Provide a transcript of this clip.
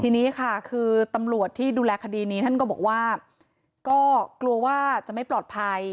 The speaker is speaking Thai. ทีนี้ค่ะคือตำรวจที่ดูแลคดีนี้ท่านก็บอกว่าก็กลัวว่าจะไม่ปลอดภัย